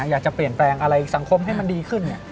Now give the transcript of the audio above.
อยากจะเปลี่ยนแปลงอะไรสังคมให้มันดีขึ้น